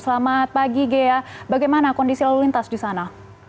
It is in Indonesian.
selamat pagi ghea bagaimana kondisi lalu lintas di sana